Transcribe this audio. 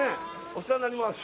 お世話になります